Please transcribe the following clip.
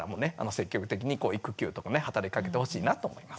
積極的に育休とかね働きかけてほしいなと思います。